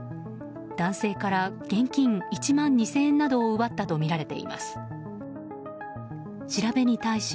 男性から現金１万２０００円などを奪ったとみられています。